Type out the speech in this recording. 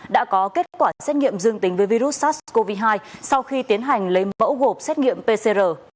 đã có kết quả xét nghiệm dương tính với virus sars cov hai sau khi tiến hành lấy mẫu gộp xét nghiệm pcr